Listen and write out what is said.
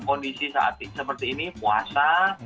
kondisi saat seperti ini puasa